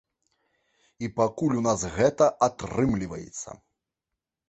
І пакуль у нас гэта атрымліваецца.